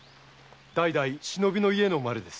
代々忍びの家の生まれです。